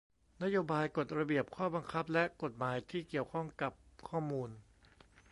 นโยบาย กฎ ระเบียบ ข้อบังคับ และกฎหมายที่เกี่ยวข้องกับข้อมูล